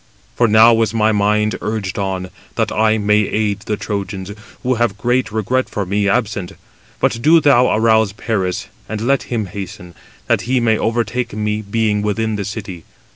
For now is my mind urged on, that I may aid the Trojans, who have great regret for me absent. But do thou arouse him [Paris], and let him hasten, that he may overtake me being within the city.